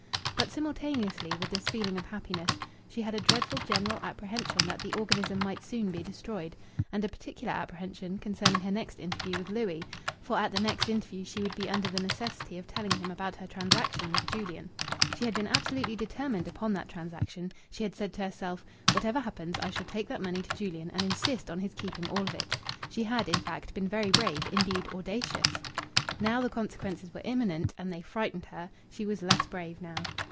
But simultaneously with this feeling of happiness she had a dreadful general apprehension that the organism might soon be destroyed, and a particular apprehension concerning her next interview with Louis, for at the next interview she would be under the necessity of telling him about her transaction with Julian. She had been absolutely determined upon that transaction. She had said to herself, "Whatever happens, I shall take that money to Julian and insist on his keeping all of it." She had, in fact, been very brave indeed, audacious. Now the consequences were imminent, and they frightened her; she was less brave now.